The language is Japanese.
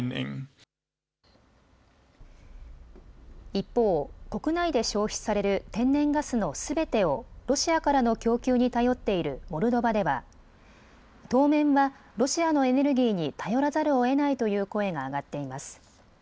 一方、国内で消費される天然ガスのすべてをロシアからの供給に頼っているモルドバでは当面はロシアのエネルギーに頼らざるをえないという声が上がっています。